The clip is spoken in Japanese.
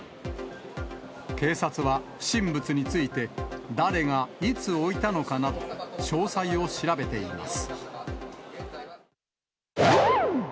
警察は不審物について、誰がいつ置いたのかなど、詳細を調べています。